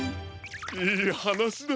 いいはなしだ。